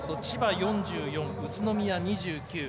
４４、宇都宮２９。